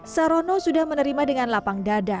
sarono sudah menerima dengan lapang dada